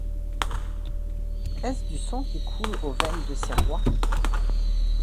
Est-ce du sang qui coule aux veines de ces rois ?